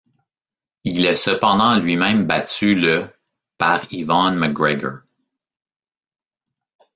Il est cependant lui-même battu le par Yvonne McGregor.